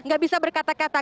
gak bisa berkata kata